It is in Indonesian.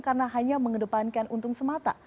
karena hanya mengedepankan untung semata